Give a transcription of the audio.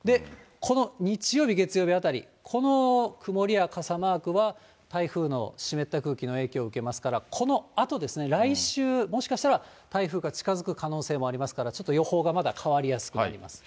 この日曜日、月曜日あたり、この曇りや傘マークは、台風の湿った空気の影響を受けますから、このあとですね、来週、もしかしたら台風が近づく可能性もありますから、ちょっと予報がまだ変わりやすくなります。